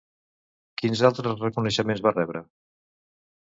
Quins altres reconeixements va rebre?